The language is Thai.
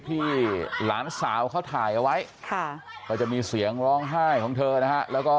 ตากับป้าเขาที่เคยพูดไม่ดีด้วยเหรอพูดดีกับเขาตลอด